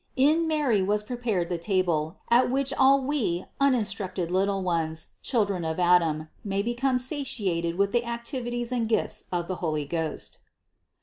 In Mary was prepared the table, at which all we uninstructed little ones, children of Adam, may become satiated with the activities and gifts of the Holy Ghost.